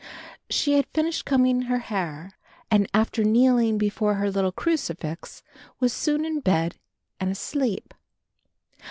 She had finished combing her hair, and after kneeling before her little crucifix was soon in bed and asleep.